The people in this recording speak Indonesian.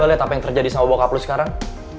apa lo gak liat apa yang terjadi sama bokap lo sekarang